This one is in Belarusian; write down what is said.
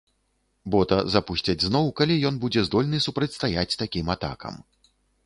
Бота запусцяць зноў, калі ён будзе здольны супрацьстаяць такім атакам.